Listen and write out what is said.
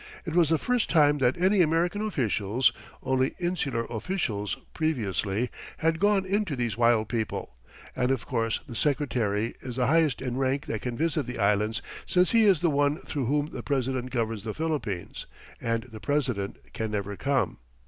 It was the first time that any American officials (only Insular officials previously) had gone in to these wild people, and of course the Secretary is the highest in rank that can visit the Islands since he is the one through whom the President governs the Philippines and the President can never come.